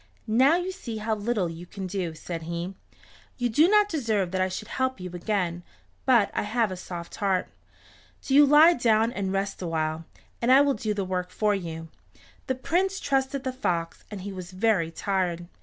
"Now you see how little you can do," said he. "You do not deserve that I should help you again, but I have a soft heart. Do you lie down and rest awhile, and I will do the work for you." The Prince trusted the fox, and he was very tired.